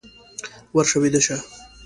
ورشه ويده شه!